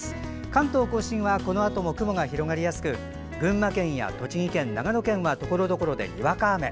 関東・甲信はこのあとも雲が広がりやすく群馬県や栃木県、長野県はところどころでにわか雨。